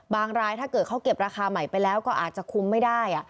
รายถ้าเกิดเขาเก็บราคาใหม่ไปแล้วก็อาจจะคุมไม่ได้